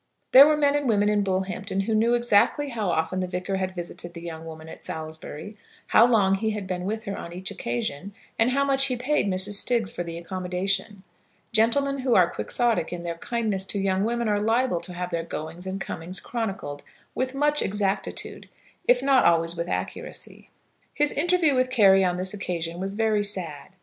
There were men and women in Bullhampton who knew exactly how often the Vicar had visited the young woman at Salisbury, how long he had been with her on each occasion, and how much he paid Mrs. Stiggs for the accommodation. Gentlemen who are Quixotic in their kindness to young women are liable to have their goings and comings chronicled with much exactitude, if not always with accuracy. His interview with Carry on this occasion was very sad.